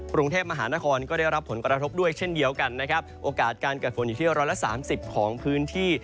กรุงเทพมหานครก็ได้รับผลกระทบด้วยเช่นเดียวกันนะครับโอกาสการเกิดฝนอยู่ที่ร้อยละสามสิบของพื้นที่